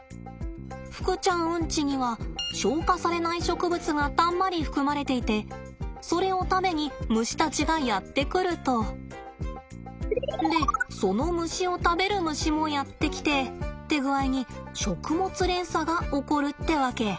ふくちゃんうんちには消化されない植物がたんまり含まれていてそれを食べに虫たちがやって来ると。でその虫を食べる虫もやって来てって具合に食物連鎖が起こるってわけ。